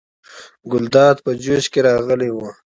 ګلداد په جوش کې راغلی و.